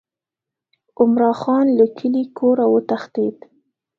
عمرا خان له کلي کوره وتښتېد.